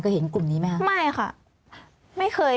เห็นกลุ่มนี้ไหมคะไม่ค่ะไม่เคย